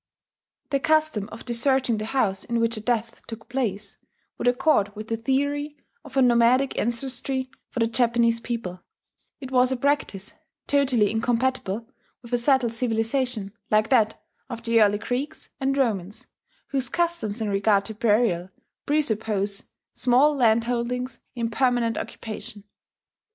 The custom of deserting the house in which a death took place would accord with the theory of a nomadic ancestry for the Japanese people: it was a practice totally incompatible with a settled civilization like that of the early Greeks and Romans, whose customs in regard to burial presuppose small landholdings in permanent occupation.